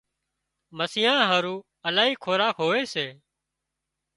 مسيان هارو الاهي خوراڪ هوئي سي